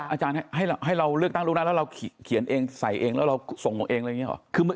อาจารย์ให้เราเลือกตั้งล่วงหน้าแล้วเราเขียนเองใส่เองแล้วเราส่งเอาเองอะไรอย่างนี้หรอ